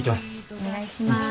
お願いします。